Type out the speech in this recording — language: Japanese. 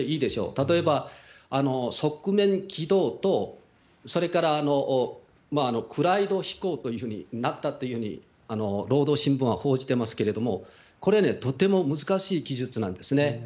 例えば側面軌道と、それからクライド飛行というふうになったというふうに、労働新聞は報じてますけれども、これ、とても難しい技術なんですね。